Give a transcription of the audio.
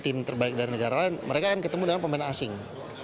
tim terbaik dari negara lain mereka akan ketemu dengan pemain asing